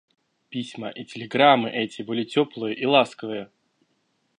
Письма и телеграммы эти были теплые и ласковые.